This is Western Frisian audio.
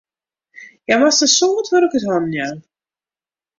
Hja moast in soad wurk út hannen jaan.